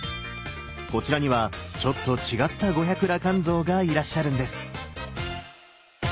こちらにはちょっと違った五百羅漢像がいらっしゃるんです！